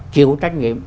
chịu trách nhiệm